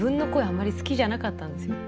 あんまり好きじゃなかったんですよね。